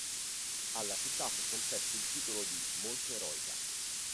Alla città fu concesso il titolo di "Molto eroica".